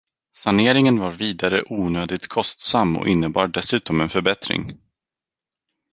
Saneringen var vidare onödigt kostsam och innebar dessutom en förbättring.